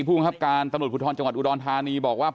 พูดคับการตำรุฝุทรจังหวัดอุดรธานี